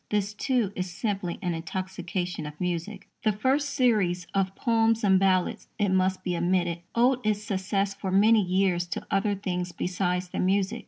This, too, is simply an intoxication of music. The first series of Poems and Ballads, it must be admitted, owed its success for many years to other things besides the music.